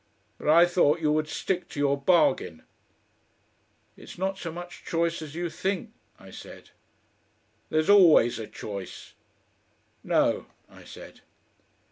"But I thought you would stick to your bargain." "It's not so much choice as you think," I said. "There's always a choice." "No," I said.